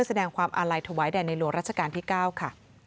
สวัสดีครับ